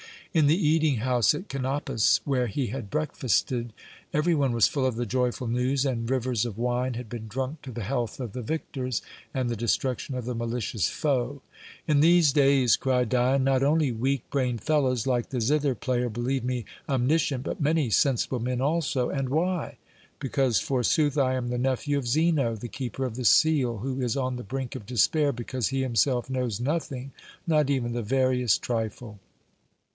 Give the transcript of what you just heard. In the eating house at Kanopus, where he had breakfasted, everyone was full of the joyful news, and rivers of wine had been drunk to the health of the victors and the destruction of the malicious foe. "In these days," cried Dion, "not only weak brained fellows, like the zither player, believe me omniscient, but many sensible men also. And why? Because, forsooth, I am the nephew of Zeno, the Keeper of the Seal, who is on the brink of despair because he himself knows nothing, not even the veriest trifle."